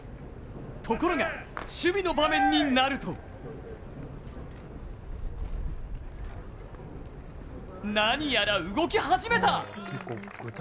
ところが、守備の場面になるとなにやら動き始めた！